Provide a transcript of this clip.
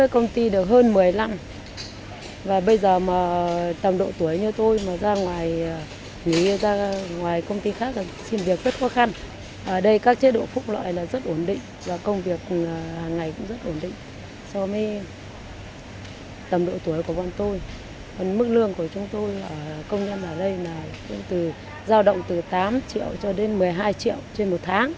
công nhân ở đây giao động từ tám triệu cho đến một mươi hai triệu trên một tháng